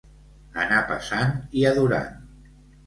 Anar passant i adorant.